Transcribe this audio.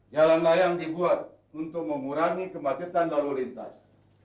jalan layang dibuat untuk mengurangi kemacetan lalu lintas